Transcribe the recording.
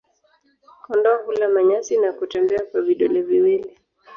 Kondoo hula manyasi na kutembea kwa vidole viwili.